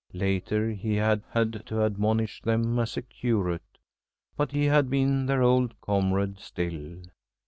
Later he had had to admonish them as a curate, but he had been their old comrade still.